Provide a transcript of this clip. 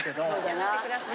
やめてください。